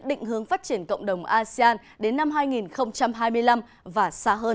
định hướng phát triển cộng đồng asean đến năm hai nghìn hai mươi năm và xa hơn